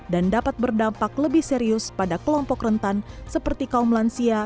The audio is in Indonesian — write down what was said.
dan dapat berdampak lebih serius pada kelompok rentan seperti kaum lansia